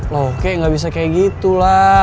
loh kayak gak bisa kayak gitu lah